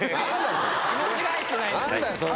何だよそれ！